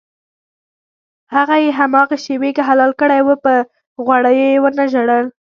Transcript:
هغه یې هماغې شېبه کې حلال کړی و په غوړیو یې ونه ژړل.